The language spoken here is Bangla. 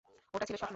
ওটা ছিল স্বপ্ন।